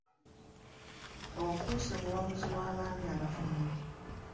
Ofuuse muwabuzi wa baami abafumbo.